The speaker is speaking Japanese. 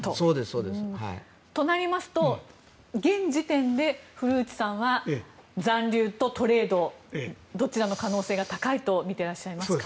となりますと、現時点で古内さんは残留とトレードどちらの可能性が高いとみてらっしゃいますか？